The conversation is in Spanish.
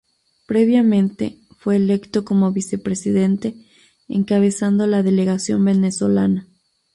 Previamente, fue electo como vicepresidente, encabezando la delegación venezolana.